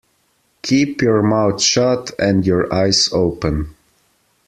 Keep your mouth shut and your eyes open.